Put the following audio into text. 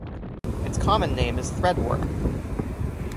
Its common name is threadworm.